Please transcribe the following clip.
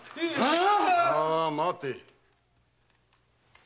まあ待て。